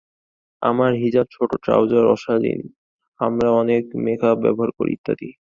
আমাদের হিজাব ছোট, ট্রাউজার অশালীন, আমরা অনেক মেক-আপ ব্যবহার করি, ইত্যাদি।